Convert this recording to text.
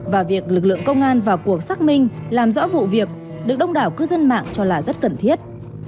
và việc lực lượng công an vào cuộc xác minh làm rõ vụ việc được đông đảo cư dân mạng cho là rất cần thiết